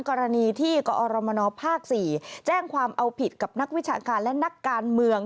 กรณีที่กอรมนภ๔แจ้งความเอาผิดกับนักวิชาการและนักการเมือง